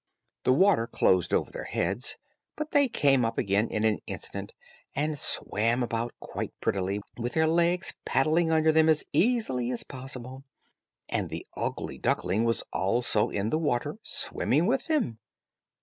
The water closed over their heads, but they came up again in an instant, and swam about quite prettily with their legs paddling under them as easily as possible, and the ugly duckling was also in the water swimming with them.